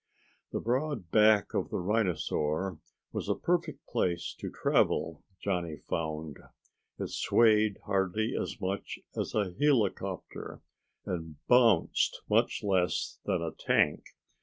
The broad back of the rhinosaur was a perfect place to travel, Johnny found. It swayed hardly as much as a helicopter and bounced much less than a tank.